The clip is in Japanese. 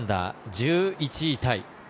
１１位タイ。